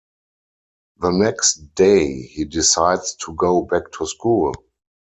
The next day he decides to go back to school.